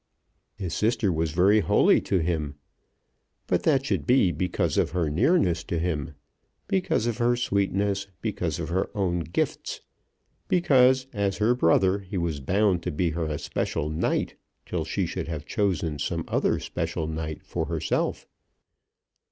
His sister was very holy to him; but that should be because of her nearness to him, because of her sweetness, because of her own gifts, because as her brother he was bound to be her especial knight till she should have chosen some other special knight for herself.